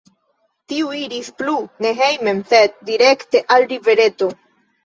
Tiu iris plu, ne hejmen, sed direkte al rivereto.